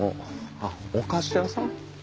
あっお菓子屋さん？